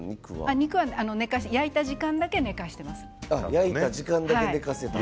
肉は焼いた時間だけ寝かしてます。